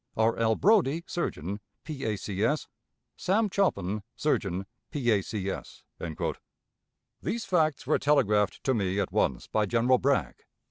"R. L. Brodie, Surgeon, P. A. C. S. "Sam Choppin, Surgeon, P. A. C. S." These facts were telegraphed to me at once by General Bragg.